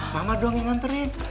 mama dong yang hantarin